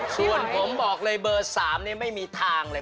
ส่วนผมบอกเลยเบอร์๓นี่ไม่มีทางเลย